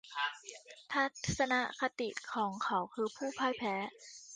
ทัศนคติของเขาคือผู้พ่ายแพ้